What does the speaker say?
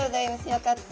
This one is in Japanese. よかった。